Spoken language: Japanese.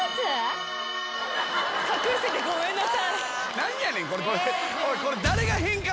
何やねんこれ。